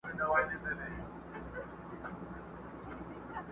دومره پوه سوه چي مېږیان سره جنګېږي،